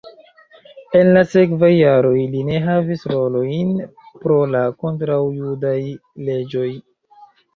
En la sekvaj jaroj li ne havis rolojn pro la kontraŭjudaj leĝoj.